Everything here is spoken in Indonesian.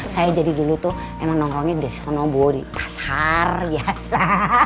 saya jadi dulu tuh emang nongkrongnya di desa renobo di pasar biasa